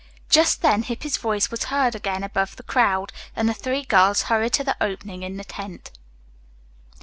Just then Hippy's voice was heard again above the crowd, and the three girls hurried to the opening in the tent.